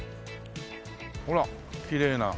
ほらきれいな。